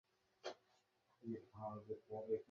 এখনও তার লাশ কেউ পায়নি।